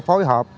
để phối hợp